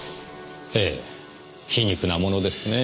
ええ皮肉なものですねぇ。